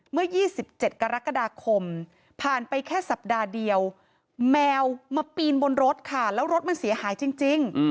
เมื่อ๒๗กรกฎาคมผ่านไปแค่สัปดาห์เดียวแมวมาปีนบนรถค่ะแล้วรถมันเสียหายจริง